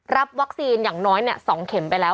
รับวัคซีนอย่างน้อย๒เข็มไปแล้ว